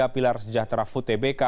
tiga pilar sejahtera futbk